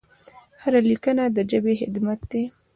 هره لیکنه د ژبې خدمت دی.